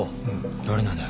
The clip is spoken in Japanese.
誰なんだ？